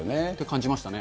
感じましたね。